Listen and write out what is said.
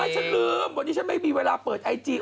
ฉันลืมวันนี้ฉันไม่มีเวลาเปิดไอจี